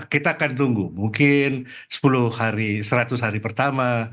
kita akan tunggu mungkin sepuluh hari seratus hari pertama